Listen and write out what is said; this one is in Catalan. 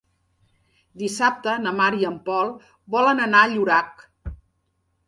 Dissabte na Mar i en Pol volen anar a Llorac.